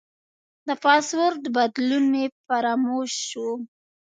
د پاسورډ بدلون مې فراموش شو.